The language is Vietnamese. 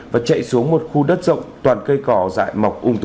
và chạy xuống một khu đất rộng toàn cây cỏ dại mọc ung tù